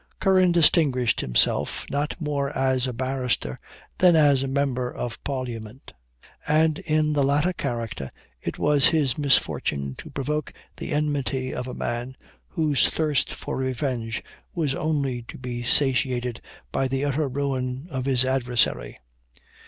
Curran distinguished himself not more as a barrister than as a member of parliament; and in the latter character it was his misfortune to provoke the enmity of a man, whose thirst for revenge was only to be satiated by the utter ruin of his adversary.